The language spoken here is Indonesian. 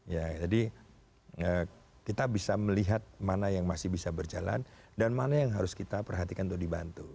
ya jadi kita bisa melihat mana yang masih bisa berjalan dan mana yang harus kita perhatikan untuk dibantu